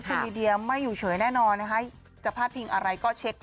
พี่ดียมไม่อยู่เฉยแน่นอนนะคะจะพลาดเพียงอะไรก็